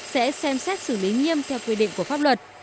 sẽ xem xét xử lý nghiêm theo quy định của pháp luật